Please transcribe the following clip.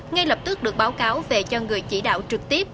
ngay lập tức được báo cáo về cho người chỉ đạo trực tiếp